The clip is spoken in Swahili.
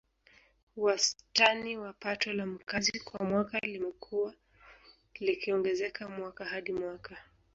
Wastani wa Pato la Mkazi kwa mwaka limekuwa likiongezeka mwaka hadi mwaka